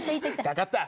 かかった。